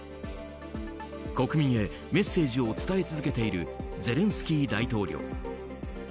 国民へメッセージを伝え続けているゼレンスキー大統領。